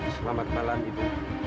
selamat malam ibu